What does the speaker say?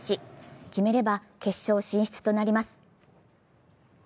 決めれば決勝進出となります。